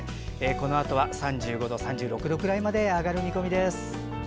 このあとは３５度３６度くらいまで上がる見込みです。